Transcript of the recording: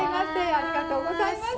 ありがとうございます。